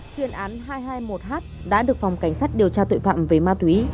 chuyên án hai trăm hai mươi một h đã được phòng cảnh sát điều tra tội phạm về ma túy